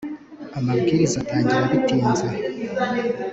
amabwiriza atangira bitinze.